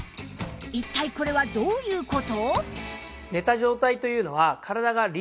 一体これはどういう事？